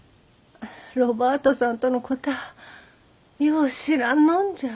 ロバートさんとのこたあよう知らんのんじゃ。